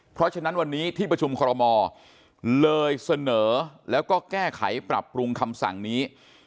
เพราะฉะนั้นวันนี้ที่ประชุมคอรมอเลยเสนอแล้วก็แก้ไขปรับปรุงคำสั่งนี้